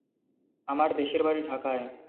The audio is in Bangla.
আমার দেশের বাড়ি ঢাকায়।